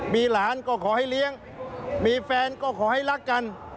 มีหลานก็ขอให้เลี้ยงมีแฟนก็ขอให้รักกัน